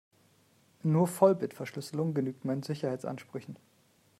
Nur Vollbitverschlüsselung genügt meinen Sicherheitsansprüchen.